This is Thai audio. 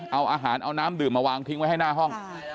เอาอาหารเอาน้ำดื่มมาวางทิ้งไว้ให้หน้าห้อง